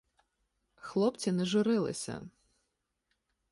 Хлопці не журилися.